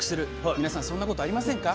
皆さんそんなことありませんか？